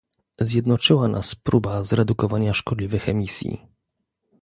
Zjednoczyła nas próba zredukowania szkodliwych emisji